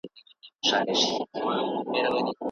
ښه رڼا یوازي با استعداده کسانو ته نه سي ورکول کېدلای.